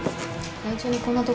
会長にこんなとこ。